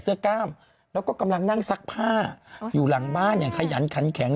กล้ามแล้วก็กำลังนั่งซักผ้าอยู่หลังบ้านอย่างขยันขันแข็ง